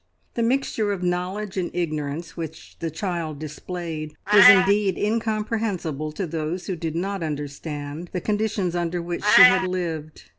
The mixture of knowledge and ignorance which the child displayed was indeed incomprehensible to those who did not understand the conditions under which she had lived.